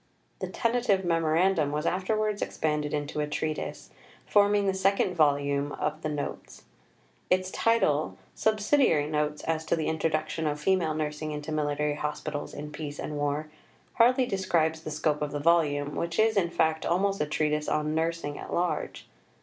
" The tentative memorandum was afterwards expanded into a treatise, forming the second volume (pp. 184) of the Notes. Its title Subsidiary Notes as to the Introduction of Female Nursing into Military Hospitals in Peace and War hardly describes the scope of the volume, which is, in fact almost a treatise on Nursing at large.